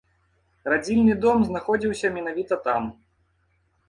Радзільны дом знаходзіўся менавіта там.